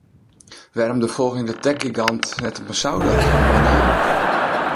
Wêrom de folgjende techgigant net op in souder yn Menaam?